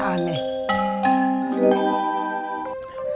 sikmat yang dikira